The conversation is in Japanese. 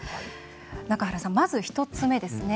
中原さん、まず１つ目ですね。